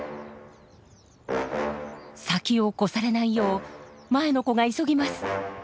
先を越されないよう前の子が急ぎます。